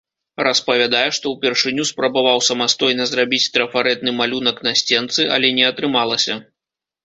Распавядае, што ўпершыню спрабаваў самастойна зрабіць трафарэтны малюнак на сценцы, але не атрымалася.